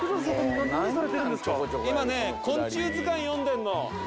今ね、昆虫図鑑読んでるの。